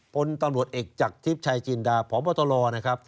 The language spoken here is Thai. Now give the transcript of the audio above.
พลตำรวจเอกจากทิพย์ชายจินดาพบตรนะครับ